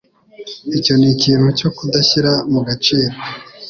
Icyo ni ikintu cyo kudashyira mu gaciro.